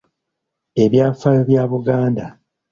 Ebyafaayo bya Buganda